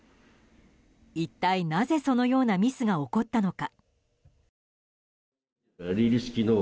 一体なぜそのようなミスが起こったのか。